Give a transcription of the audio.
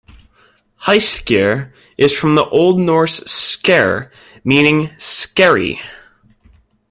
Hyskeir is from the Old Norse "sker" meaning skerry.